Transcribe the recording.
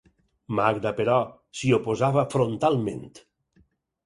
Magda, però, s'hi oposava frontalment.